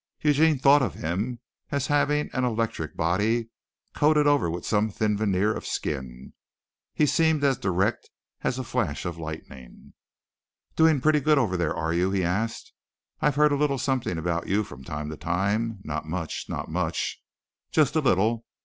Eugene thought of him as having an electric body coated over with some thin veneer of skin. He seemed as direct as a flash of lightning. "Doing pretty good over there, are you?" he asked. "I've heard a little something about you from time to time. Not much. Not much. Just a little.